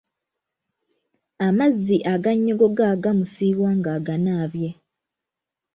Amazzi aganyogoga gamusiiwa ng'aganaabye.